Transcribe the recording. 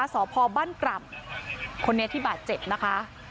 ศบั้นกรัมคนนี้ที่บาดเจ็บนะคะ